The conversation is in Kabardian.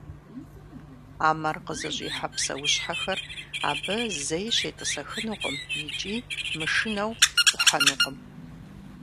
А мэр къызыщӏихьэ псэущхьэхэр абы зэи щетӏысэхынукъым икӏи, мышынэу, ӏухьэнукъым.